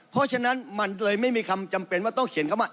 เพราะฉะนั้นมันเลยไม่มีคำจำเป็นว่าต้องเขียนคำว่า